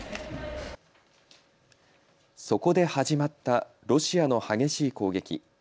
そこで始まったロシアの激しい攻撃。